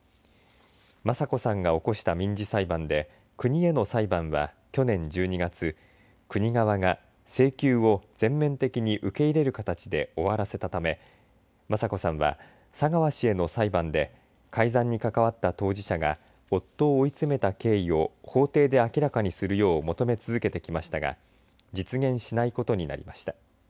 雅子さんが起こした民事裁判で国への裁判は、去年１２月国側が請求を全面的に受け入れる形で終わらせたため雅子さんは、佐川氏への裁判で改ざんに関わった当事者が夫を追い詰めた経緯を法廷で明らかにするよう求め続けてきましたが実現しないことになりました。